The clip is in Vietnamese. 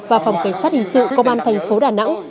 và phòng cảnh sát hình sự công an thành phố đà nẵng